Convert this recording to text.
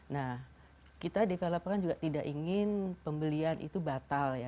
nah kita development juga tidak ingin pembelian itu batal ya